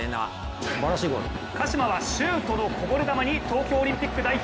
鹿島はシュートのこぼれ球に東京オリンピック代表